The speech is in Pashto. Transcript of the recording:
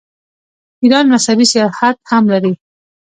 ایران مذهبي سیاحت هم لري.